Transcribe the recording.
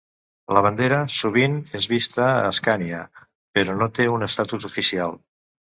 La bandera sovint és vista a Escània, però no té un estatus oficial.